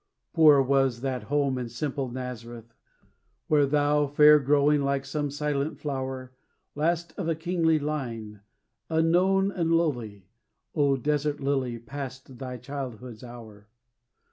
Poor was that home in simple Nazareth, Where thou, fair growing, like some silent flower, Last of a kingly line, unknown and lowly, O desert lily, passed thy childhood's hour.